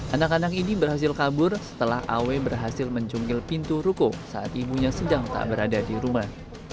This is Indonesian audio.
anak anak ini berhasil kabur setelah aw berhasil mencunggil pintu ruko saat ibunya sedang tak berada di rumah